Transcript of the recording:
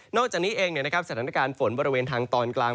จากนี้เองสถานการณ์ฝนบริเวณทางตอนกลาง